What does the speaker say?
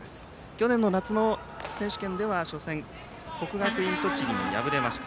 去年の夏の選手権では初戦、国学院栃木に敗れました。